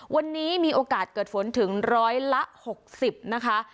วันนี้มีโอกาสเกิดฝนถึงร้อยละ๖๐นะคะ